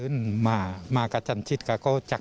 นี่นะครับ